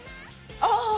ああ！